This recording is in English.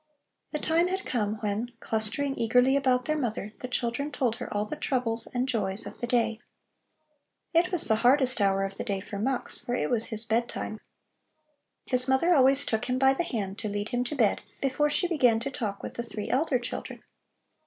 The time had come, when, clustering eagerly about their mother, the children told her all the troubles and joys of the day. It was the hardest hour of the day for Mux, for it was his bedtime. His mother always took him by the hand, to lead him to bed, before she began to talk with the three elder children.